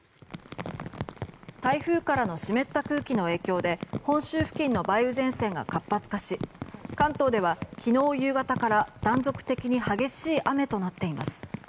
台風からの湿った空気の影響で本州付近の梅雨前線が活発化し関東では昨日夕方から断続的に激しい雨となっています。